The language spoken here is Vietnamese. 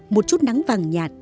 một chút nắng vàng nhạt